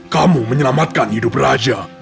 kamu menyelamatkan hidup raja